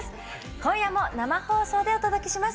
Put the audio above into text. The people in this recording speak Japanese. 今夜も生放送でお届けします。